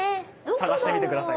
探してみてください。